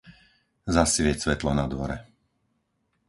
Zasvieť svetlo na dvore.